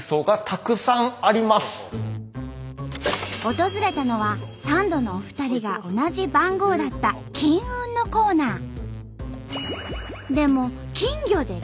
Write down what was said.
訪れたのはサンドのお二人が同じ番号だったでも金魚で金運？